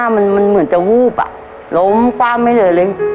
มันเหมือนจะวูบล้มความไม่เหลือเลย